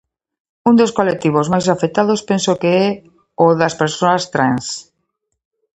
Un dos colectivos máis afectados penso que é o das persoas trans.